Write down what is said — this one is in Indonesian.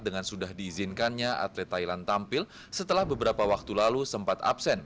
dengan sudah diizinkannya atlet thailand tampil setelah beberapa waktu lalu sempat absen